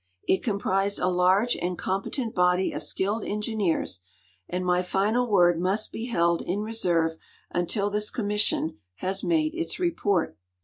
It comprised a large and competent Imdy of skilled engineers, and my final word must V>e held in reserve until this commission has made its report.